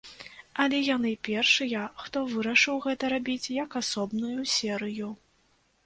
Але яны першыя, хто вырашыў гэта рабіць як асобную серыю.